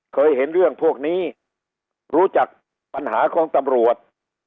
เคยเห็นเรื่องพวกนี้รู้จักปัญหาของตำรวจ